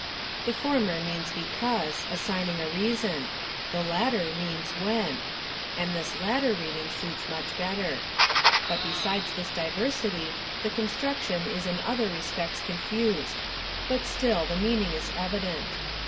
The former means because — assigning a reason : the latter means when ; and this latter reading suits much better. But besides this diversity, the construction is in other respects contused ; but still, the meaning is evident.